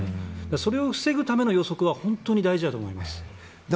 それを防ぐための予測は本当に大事だと思います。